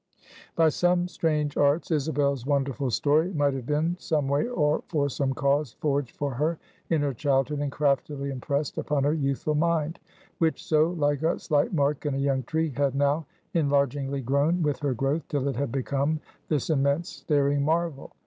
By some strange arts Isabel's wonderful story might have been, someway, and for some cause, forged for her, in her childhood, and craftily impressed upon her youthful mind; which so like a slight mark in a young tree had now enlargingly grown with her growth, till it had become this immense staring marvel.